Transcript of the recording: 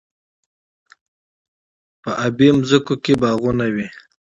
په ابی ځمکو کې باغونه وي.